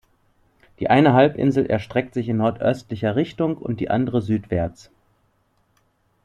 Die eine Halbinsel erstreckt sich in nordöstlicher Richtung und die andere südwärts.